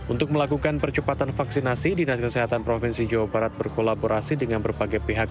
untuk melakukan percepatan vaksinasi dinas kesehatan provinsi jawa barat berkolaborasi dengan berbagai pihak